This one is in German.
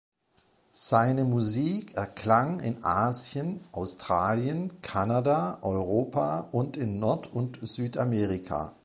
Seine Musik erklang in Asien, Australien, Kanada, Europa und in Nord- und Südamerika.